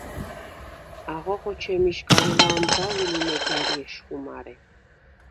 აღო ხოჩემიშგარუ ლამბვალ ი, იმეგ ა̈რი ეშხუ მარე.